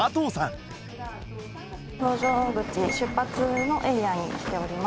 搭乗口出発のエリアに来ております。